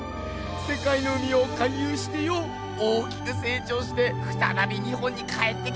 せかいの海を回ゆうしてよ大きくせい長してふたたび日本に帰ってきたんだぜ。